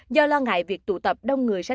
do lo ngại việc tụ tập đông người sẽ tạo